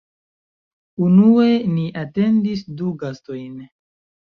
Unue ni atendis du gastojn